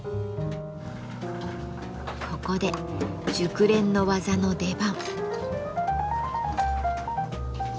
ここで熟練の技の出番。